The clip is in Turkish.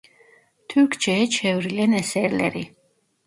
Türkçeye çevrilen eserleri: